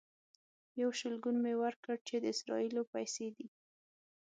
یو شلګون مې ورکړ چې د اسرائیلو پیسې دي.